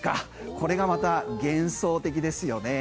これがまた幻想的ですよね。